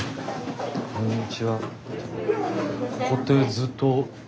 こんにちは。